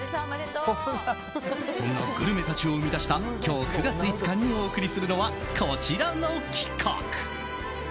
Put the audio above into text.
そんなグルメたちを生み出した今日９月５日にお送りするのはこちらの企画。